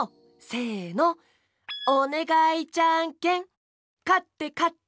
せの「おねがいじゃんけん」かってかってポン！